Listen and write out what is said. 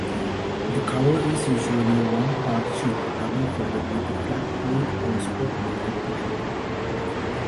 The cover is usually a one-part sheet, double-folded with flaps glued or spot-welded together.